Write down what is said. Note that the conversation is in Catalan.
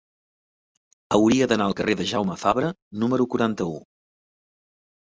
Hauria d'anar al carrer de Jaume Fabra número quaranta-u.